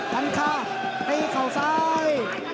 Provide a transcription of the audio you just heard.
กันค่าถ้ายกเขาซ้าย